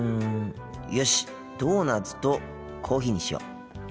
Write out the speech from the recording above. よしっドーナツとコーヒーにしよう。